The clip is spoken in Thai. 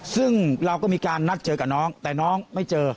ซึ่งเราก็มีการนัดเจอกับน้องแต่น้องไม่เจอ